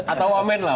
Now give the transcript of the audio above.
atau wamen lah